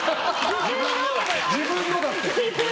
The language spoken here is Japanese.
自分のだって。